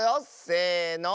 せの。